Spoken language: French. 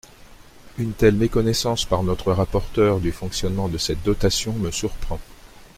Une telle méconnaissance par notre rapporteure du fonctionnement de cette dotation me surprend.